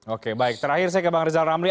oke baik terakhir saya ke bang rizal ramli